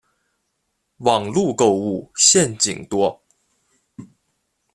网路购物陷阱多